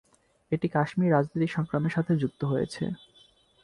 এটি কাশ্মীরি রাজনৈতিক সংগ্রামের সাথেও যুক্ত হয়েছে।